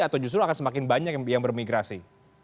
atau justru akan semakin banyak yang bermigrasi